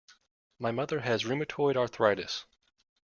My mother has rheumatoid arthritis.